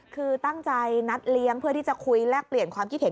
คือตั้งใจนัดเลี้ยงเพื่อที่จะคุยแลกเปลี่ยนความคิดเห็น